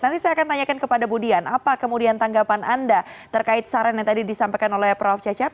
nanti saya akan tanyakan kepada bu dian apa kemudian tanggapan anda terkait saran yang tadi disampaikan oleh prof cecep